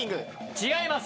違います。